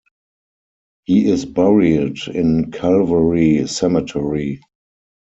He is buried in Calvary Cemetery.